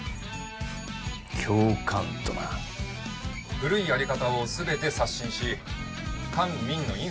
「古いやり方を全て刷新し官民のインフラを」